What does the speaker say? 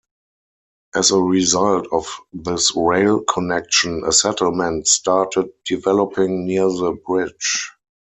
As a result of this rail connection, a settlement started developing near the bridge.